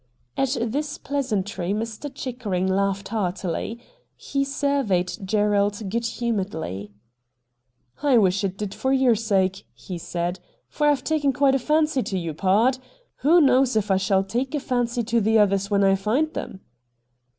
At this pleasantry Mr. Chickering laughed heartily. He surveyed Gerald good humour edly. ' I wish it did for your sake,' he said, ' for I've taken quite a fancy to you, pard. Who knows if I shall take a fancy to the others when I find them